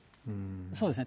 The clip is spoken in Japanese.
そうですね。